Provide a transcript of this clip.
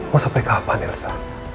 mau sampai kapan ilsa